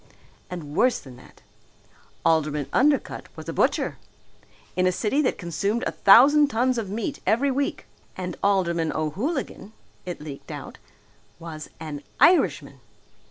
And worse than that! Alderman Undercutt was a butcher! In a city that consumed a thousand tons of meat every week! And Alderman O'Hooligan it leaked out was an Irishman!